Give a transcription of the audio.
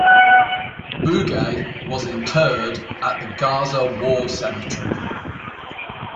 Boughey was interred at the Gaza War Cemetery.